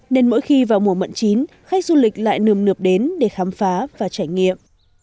nên mỗi khi vào mùa mận chín khách du lịch lại nươm nượp đến để khám phá và trải nghiệm